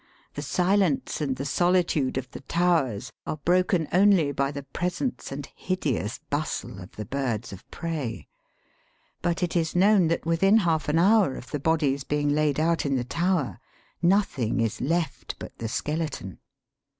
The silence and the solitude of the towers are broken only by the presence and hideous bustle of the birds of prey ; but it is known that within half an hour of the body's being laid out in the tower, nothing is left but the skeleton.